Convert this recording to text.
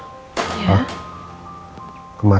tunggu aku mau pindah ke rumah